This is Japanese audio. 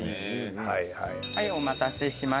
はいお待たせしました。